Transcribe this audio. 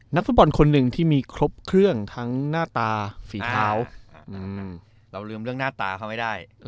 นักสนบอลคนที่มีครบเครื่องทั้งหน้าตาศูนย์หน้าตาฝีเท้าเราลืมด้วยหน้าตาเขาไม่ได้